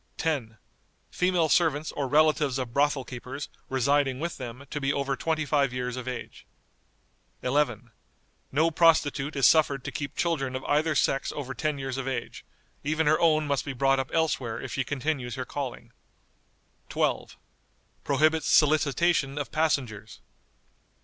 "10. Female servants or relatives of brothel keepers residing with them to be over twenty five years of age." "11. No prostitute is suffered to keep children of either sex over ten years of age; even her own must be brought up elsewhere if she continues her calling." 12. Prohibits solicitation of passengers.